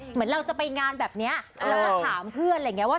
เหมือนเราจะไปงานแบบนี้แล้วก็ถามเพื่อนอะไรอย่างนี้ว่า